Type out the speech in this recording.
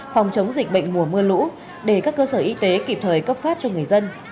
phòng chống dịch bệnh mùa mưa lũ để các cơ sở y tế kịp thời cấp phát cho người dân